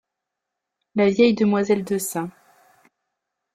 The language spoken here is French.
La vieille demoiselle de St.